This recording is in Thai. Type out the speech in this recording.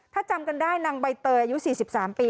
ถ้าจำกันได้นางใบเตยอายุ๔๓ปี